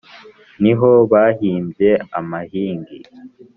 ni ho bahimbye amahigi,